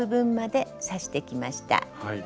はい。